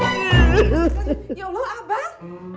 ya allah abang